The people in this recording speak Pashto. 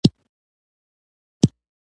د خپلې خپلواکۍ لپاره د ملاتړ غوښتنه کوله